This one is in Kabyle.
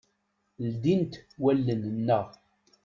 Ldint wallen-nneɣ.